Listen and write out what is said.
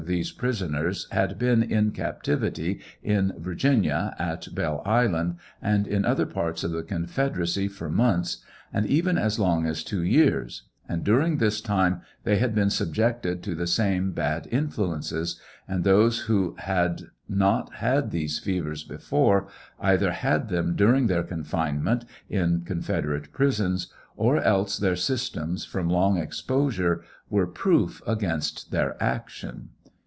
these prisoners had been in captivity in Virginia, at [Belle island, and in other parto of tl confederacy for months, and even as long as two years, and during this time they had bee subjected to the same bad influences ; and those who had not had these fevers before, eith( had them during their confinement in confederate prisons, or else their systems from long ej posure were proof against their action.